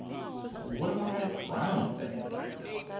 "What about that brown thing?"